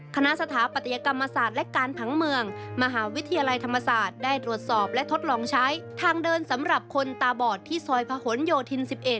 สถาปัตยกรรมศาสตร์และการผังเมืองมหาวิทยาลัยธรรมศาสตร์ได้ตรวจสอบและทดลองใช้ทางเดินสำหรับคนตาบอดที่ซอยพะหนโยธิน๑๑